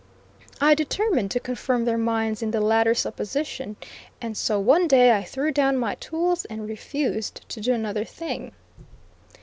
I determined to confirm their minds in the latter supposition, and so one day I threw down my tools and refused to do another thing.